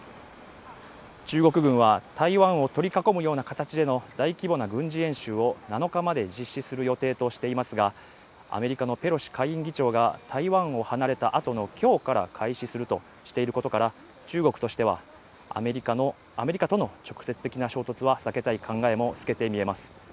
中国軍は台湾を取り囲むような形での大規模な軍事演習を７日まで実施する予定としていますがアメリカのペロシ下院議長が台湾を離れたあとの今日から開始するとしていることから中国としてはアメリカとの直接的な衝突は避けたい考えも透けて見えます